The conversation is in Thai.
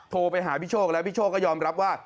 โทรไปหาพี่โชคแล้วพี่โชคก็ยอมรับว่า